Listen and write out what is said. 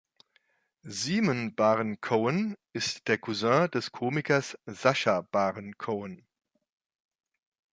Simon Baron-Cohen ist der Cousin des Komikers Sacha Baron Cohen.